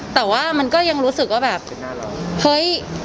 แต่ว่ามันก็ยังรู้สึกว่าแบบเฮ้ย